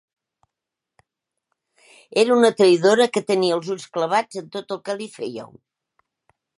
Era una traïdora que tenia els ulls clavats en tot el que féieu.